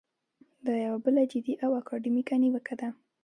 دا یوه بله جدي او اکاډمیکه نیوکه ده.